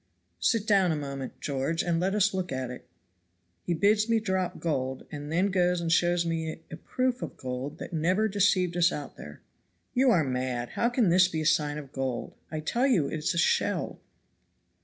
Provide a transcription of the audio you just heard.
"Sit down a moment, George, and let us look at it. He bids me drop gold and then goes and shows me a proof of gold that never deceived us out there." "You are mad. How can this be a sign of gold? I tell you it is a shell."